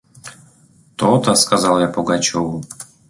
– То-то! – сказал я Пугачеву.